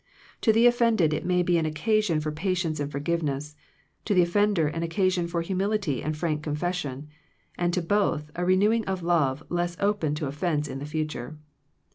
To the offended it may be an occasion for patience and forgiveness ; to the offender, an occasion for humility and frank con fession; and to both, a renewing of love less open to offence in the future.